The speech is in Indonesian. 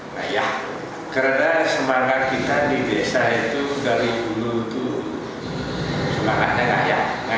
nah ya karena semangat kita di desa itu dari dulu itu semangatnya rakyat